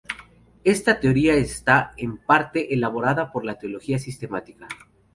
Esta teología está, en parte, englobada por la teología sistemática.